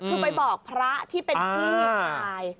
คือไปบอกพระที่เป็นพี่ชาย